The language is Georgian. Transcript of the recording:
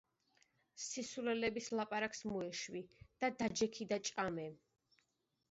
სისულელეების ლაპარაკს მოეშვი და დაჯექი და ჭამე!